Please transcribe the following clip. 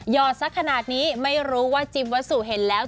อดสักขนาดนี้ไม่รู้ว่าจิมวัสสุเห็นแล้ว